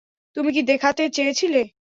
তুমি কী দেখাতে চেয়েছিলে?